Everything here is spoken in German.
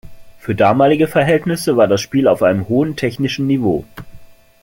Für damalige Verhältnisse war das Spiel auf einem hohen technischen Niveau.